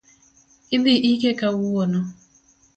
Idhii ike kawuono